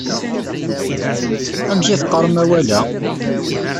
Amek ay d-teqqarem awal-a?